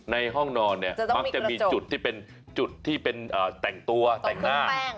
ในห้องนอนมักจะมีจุดที่เป็นแต่งตัวแต่งหน้า